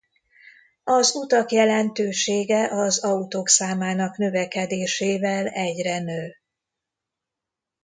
Az utak jelentősége az autók számának növekedésével egyre nő.